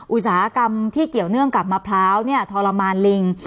อุตสาหกรรมที่เกี่ยวเนื่องกับมะพร้าวเนี่ยทรมานลิง